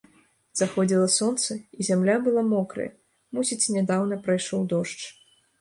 Заходзіла сонца, і зямля была мокрая, мусіць, нядаўна прайшоў дождж.